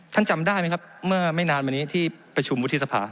จำได้ไหมครับเมื่อไม่นานมานี้ที่ประชุมวุฒิสภา